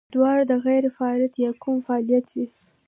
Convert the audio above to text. دواړه غېر فعاله يا کم فعاله وي